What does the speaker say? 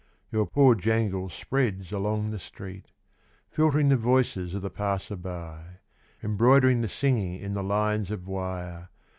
Your poor jangle spreads aloi Filtering the voices of the | Embroidering the singing in the lines of wire.